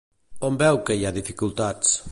On veu que hi ha dificultats?